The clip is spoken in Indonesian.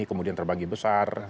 kemudian terbanggi besar